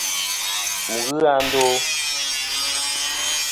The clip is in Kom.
Wù n-ghɨ a ndo.